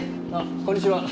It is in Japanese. こんにちは。